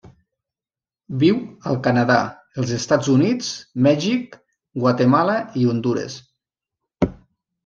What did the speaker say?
Viu al Canadà, els Estats Units, Mèxic, Guatemala i Hondures.